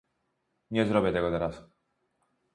Nie zrobię tego teraz